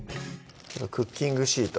クッキングシート